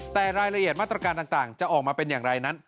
แต่รายละเอียดมาตรการต่างจะออกมาเป็นอย่างไรนั้น